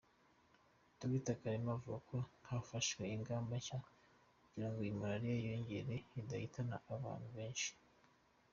Dr Karema avuga ko hafashwe ingamba nshya kugirango iyi Malaria yiyongereye idahitana abantu benshi.